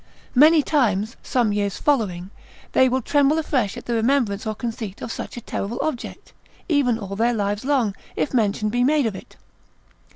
Many times, some years following, they will tremble afresh at the remembrance or conceit of such a terrible object, even all their lives long, if mention be made of it.